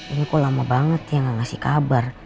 ini kok lama banget ya gak ngasih kabar